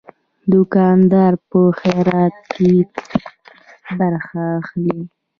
دوکاندار په خیراتو کې برخه اخلي.